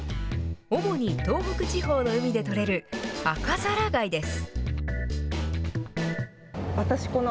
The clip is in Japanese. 主に東北地方の海で取れるアカザラガイです。